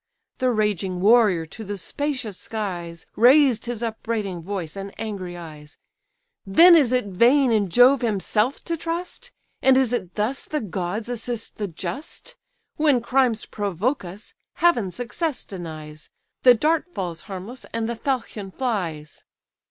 The raging warrior to the spacious skies Raised his upbraiding voice and angry eyes: "Then is it vain in Jove himself to trust? And is it thus the gods assist the just? When crimes provoke us, Heaven success denies; The dart falls harmless, and the falchion flies."